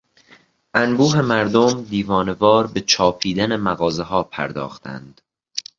انبوه مردم دیوانه وار به چاپیدن مغازهها پرداختند.